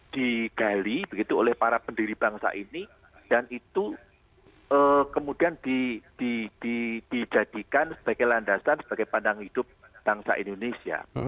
digali begitu oleh para pendiri bangsa ini dan itu kemudian dijadikan sebagai landasan sebagai pandang hidup bangsa indonesia